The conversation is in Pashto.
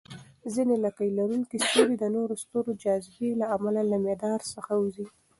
ځینې لکۍ لرونکي ستوري د نورو ستورو جاذبې له امله له مدار څخه ووځي.